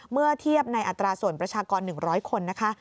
เมื่อเทียบในอัตราส่วนประชากร๑๐๐คนนะคะ